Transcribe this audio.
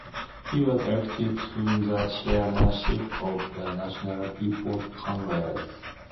He was elected to the chairmanship of the National People's Congress.